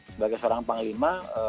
sebagai seorang panglima